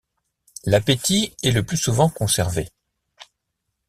L'appétit est le plus souvent conservé.